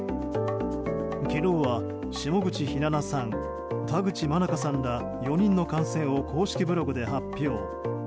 昨日は下口ひななさん田口愛佳さんら４人の感染を公式ブログで発表。